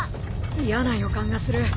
嫌な予感がする。